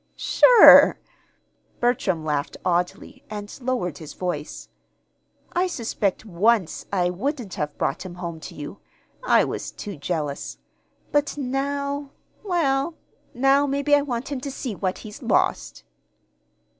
"Sure!" Bertram laughed oddly, and lowered his voice. "I suspect once I wouldn't have brought him home to you. I was too jealous. But now well, now maybe I want him to see what he's lost."